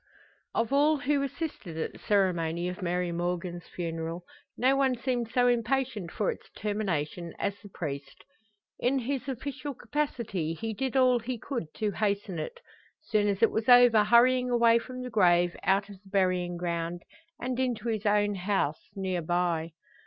Of all who assisted at the ceremony of Mary Morgan's funeral, no one seemed so impatient for its termination as the priest. In his official capacity he did all he could to hasten it; soon as it was over hurrying away from the grave, out of the burying ground, and into his own house, near by.